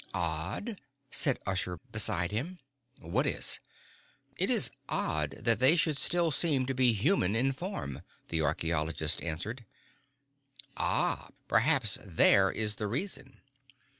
"Odd," said Usher beside him. "What is?" "It's odd that they should still seem to be human in form," the archeologist answered. "Ah. Perhaps there is the reason."